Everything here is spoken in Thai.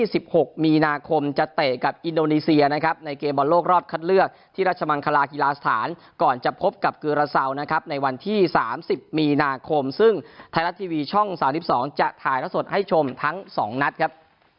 สมันคลาฮิลาสถานก่อนจะพบกับกราซาวดังนั้นนะครับในวันที่สามสิบมีนาคมซึ่งไทยรัฐทีวีช่องสามสิบสองจะถ่ายแล้วสดให้ชมทั้งสองนัดครับ